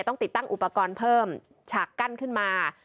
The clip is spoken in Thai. ต้องติดตั้งอุปกรณ์เพิ่มฉากกั้นขึ้นมา